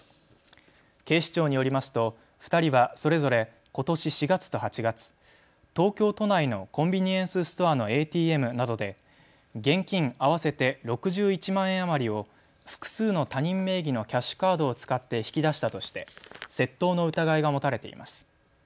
警視庁によりますと２人はそれぞれことし４月と８月、東京都内のコンビニエンスストアのＡＴＭなどで現金、合わせて６１万円余りを複数の他人名義のキャッシュカードを使って引き出したとして窃盗の疑いが持たれています。